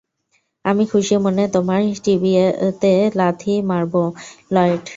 আমি খুশি মনে তোমার বিচিতে লাথি মারব, লয়েড।